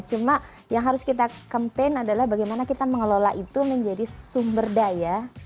cuma yang harus kita campaign adalah bagaimana kita mengelola itu menjadi sumber daya